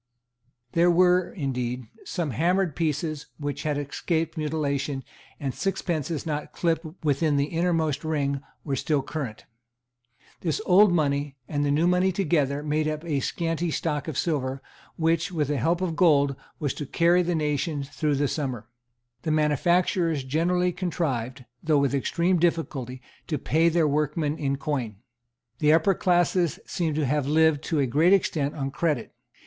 There were, indeed, some hammered pieces which had escaped mutilation; and sixpences not clipped within the innermost ring were still current. This old money and the new money together made up a scanty stock of silver, which, with the help of gold, was to carry the nation through the summer. The manufacturers generally contrived, though with extreme difficulty, to pay their workmen in coin. The upper classes seem to have lived to a great extent on credit.